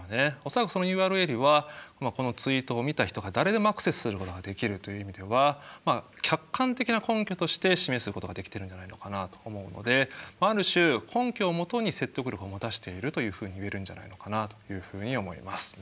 恐らくそのＵＲＬはこのツイートを見た人が誰でもアクセスすることができるという意味では客観的な根拠として示すことができてるんじゃないのかなと思うのである種根拠をもとに説得力を持たせているというふうに言えるんじゃないかなというふうに思います。